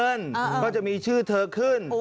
ก็จะมีชื่อเธอขึ้น